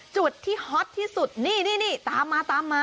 จุดที่ฮอตที่สุดนี่ตามมาตามมา